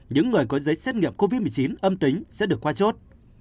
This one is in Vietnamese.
những người có giấy xét nghiệm covid một mươi chín âm tính sẽ được qua chốt